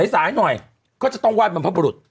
ใสหน่อยก็จะต้องไหว้บำพะปรุษ